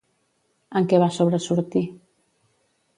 En què va sobresortir?